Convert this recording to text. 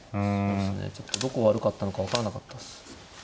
ちょっとどこ悪かったのか分からなかったっす。